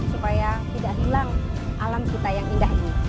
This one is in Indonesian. supaya tidak hilang alam kita yang indah ini